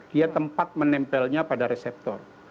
dia tempat menempelnya pada reseptor